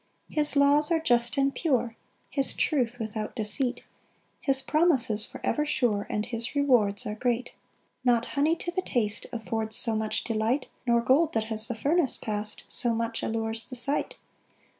6 His laws are just and pure, His truth without deceit, His promises for ever sure, And his rewards are great. 7 [Not honey to the taste Affords so much delight, Nor gold that has the furnace past So much allures the sight.